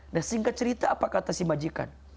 nah singkat cerita apa kata si majikan